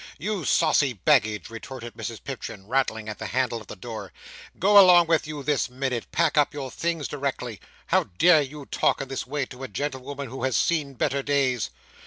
"You saucy baggage!" retorted Mrs Pipchin, rattling at the handle of the door. "Go along with you this minute. Pack up your things directly! How dare you talk in this way to a gentle woman who has seen better days?"